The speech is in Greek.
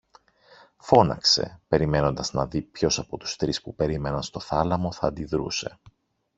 φώναξε, περιμένοντας να δει ποιος από τους τρεις που περίμεναν στο θάλαμο θα αντιδρούσε